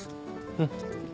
うん。